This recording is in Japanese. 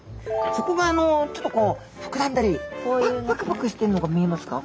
そこがちょっとこう膨らんだりパクパクしてるのが見えますか？